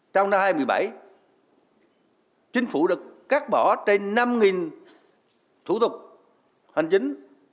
trong năm hai nghìn một mươi bảy chính phủ được cắt bỏ trên năm thủ tục hành chính